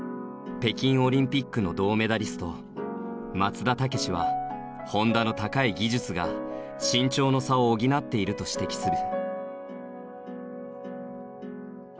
北京オリンピックの銅メダリスト松田丈志は本多の高い技術が身長の差を補っていると指摘する。